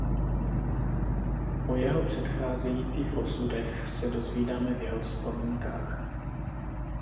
O jeho předcházejících osudech se dozvídáme v jeho vzpomínkách.